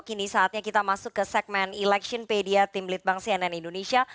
kini saatnya kita masuk ke segmen electionpedia tim litbang cnn indonesia